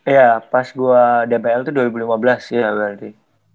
ya pas gue dbl itu dua ribu lima belas ya berarti